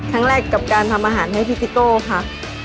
ครั้งแรกกับการทำอาหารให้พี่กิโต้ค่ะ